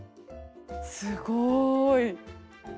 すごい！